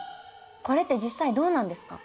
これって実際どうなんですか？